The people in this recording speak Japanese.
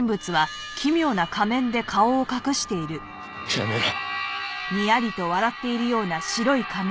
やめろ！